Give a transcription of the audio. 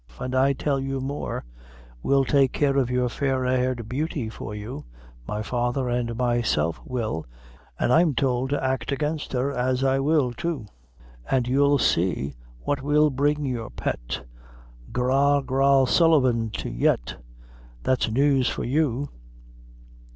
And I tell you more: we'll take care of your fair haired beauty for you my father and myself will an' I'm told to act against her, an' I will too; an' you'll see what we'll bring your pet, Gra Gal Sullivan, to yet! There's news for you!"